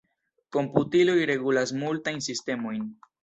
Komputiloj regulas multajn sistemojn.